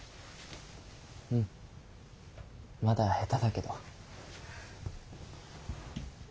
うんまだ下手だけど。